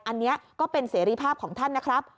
อันนี้ก็เป็นเสรีภาพของท่านนะครับ